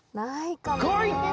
こい！